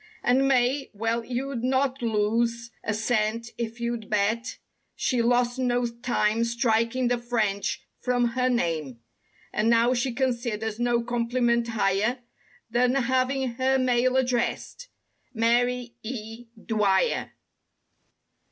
And Mae—^well you'd not lose a cent if you'd bet She lost no time striking the French from her' name. And now she considers no compliment higher, Than having her mail addressed— "Mary E. Dwyer."